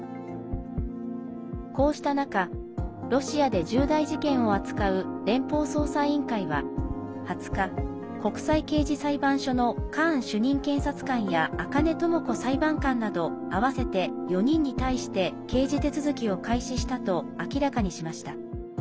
こうした中、ロシアで重大事件を扱う連邦捜査委員会は２０日、国際刑事裁判所のカーン主任検察官や赤根智子裁判官などあわせて４人に対して刑事手続きを開始したと明らかにしました。